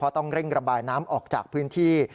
ต้องเร่งระบายน้ำออกจากพื้นที่